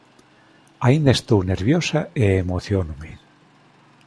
Aínda estou nerviosa e emociónome.